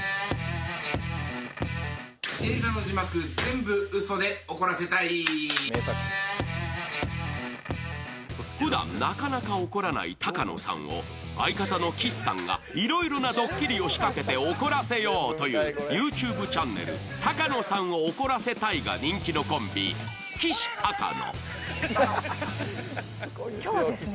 山添が紹介したのはふだんなかなか怒らない高野さんを相方の岸さんがいろいろなドッキリを仕掛けて怒らせようという、ＹｏｕＴｕｂｅチャンネル「高野さんを怒らせたい」が人気のコンビ、きしたかの。